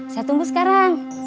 saya tunggu sekarang